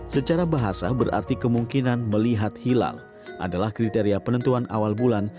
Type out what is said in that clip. secara bahasa berarti kemungkinan melihat hilal adalah kriteria penentuan awal bulan